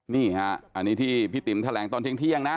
นี่ฮะอันนี้ที่พี่ติ๋มแถลงตอนเที่ยงนะ